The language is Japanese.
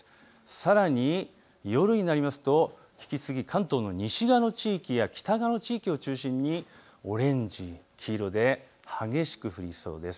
さらに夜になりますと引き続き関東の西側の地域や北側の地域を中心にオレンジ、黄色、激しく降りそうです。